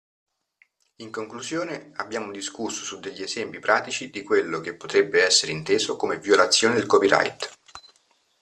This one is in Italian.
In conclusione, abbiamo discusso su degli esempi pratici di quello che potrebbe esser inteso come violazione del Copyright.